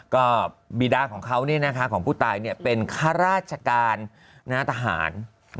ก็บีดาของเขาของผู้ตายเป็นข้าราชการทหาร